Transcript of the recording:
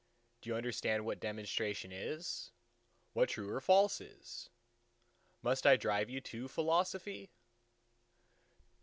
Do you understand what Demonstration is? what True or False is? ... must I drive you to Philosophy?